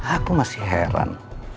aku masih heran